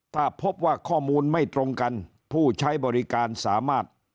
ถ้าพบว่าข้อมูลไม่ตรงกันผู้ใช้บริการสามารถ